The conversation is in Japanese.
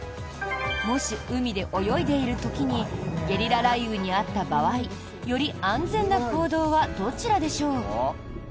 もし海で泳いでいる時にゲリラ雷雨に遭った場合より安全な行動はどちらでしょう？